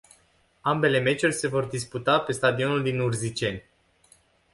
Ambele meciuri se vor disputa pe stadionul din Urziceni.